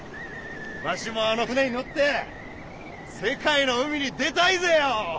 わしもあの船に乗って世界の海に出たいぜよ！